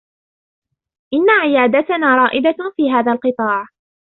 إنّ عيادتنا رائدة في هذا القطاع.